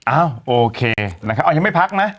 อ้าวโอเคนะครับอย่างไรไม่พักนะ